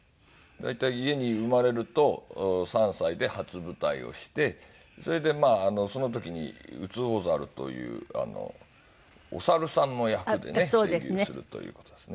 大体家に生まれると３歳で初舞台をしてそれでその時に『靱猿』というお猿さんの役でねデビューするという事ですね。